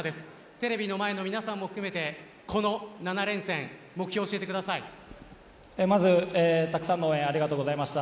テレビの前の皆さんも含めてこの７連戦の目標をまず、たくさんの応援ありがとうございました。